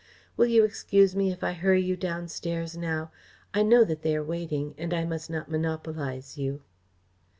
Will you excuse me if I hurry you downstairs now? I know that they are waiting, and I must not monopolise you."